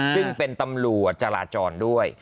ซึ่งเป็นตำรวจจราจรด้วย